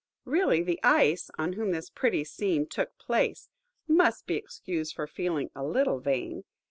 Really the Ice, on whom this pretty scene took place, must be excused for feeling a little vain.